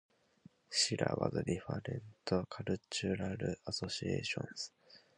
Silla has different cultural associations.